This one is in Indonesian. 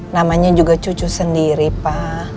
namanya juga cucu sendiri pak